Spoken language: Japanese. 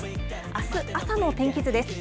あす朝の天気図です。